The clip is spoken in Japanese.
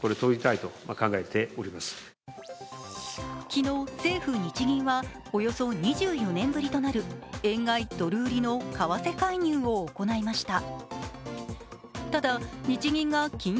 昨日、政府・日銀はおよそ２４年ぶりとなる円買い・ドル売りの為替介入を行いました。